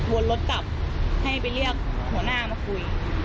วนรถกลับให้ไปเรียกหัวหน้ามาคุย